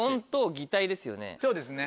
そうですね。